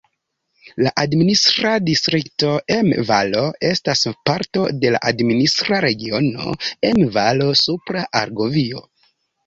La administra distrikto Emme-Valo estas parto de la administra regiono Emme-Valo-Supra Argovio.